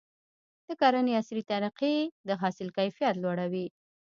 د کرنې عصري طریقې د حاصل کیفیت لوړوي.